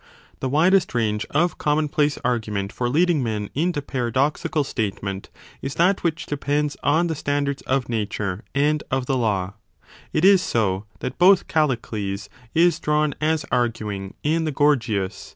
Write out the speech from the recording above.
The widest range of common place argument for leading men into paradoxical statement is that which depends on the standards of Nature and of the Law : it is so that both Callicles is drawn as arguing in the Gorgias?